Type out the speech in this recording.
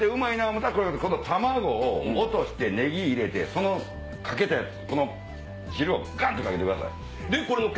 思たら今度卵を落としてネギ入れてそのかけたやつ汁をガンとかけてください。